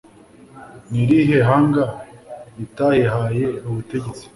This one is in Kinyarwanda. ni irihe hanga ritahihaye ubutegetsi